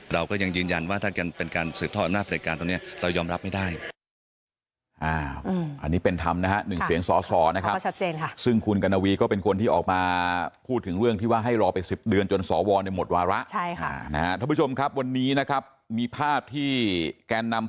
เราก็ยังยืนยันว่าถ้าเป็นการสืบทอดอำนาจจัดการตรงนี้เรายอมรับไม่ได้